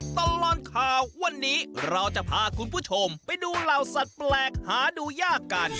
ตลอดข่าววันนี้เราจะพาคุณผู้ชมไปดูเหล่าสัตว์แปลกหาดูยากกัน